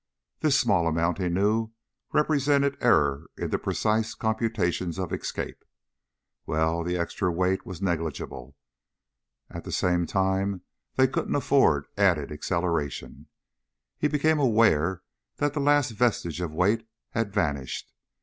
This small amount, he knew, represented error in the precise computations of escape. Well, the extra weight was negligible. At the same time, they couldn't afford added acceleration. He became aware that the last vestige of weight had vanished.